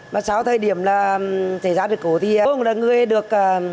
mà sau thời điểm xảy ra sự cố thì tôi cũng là người được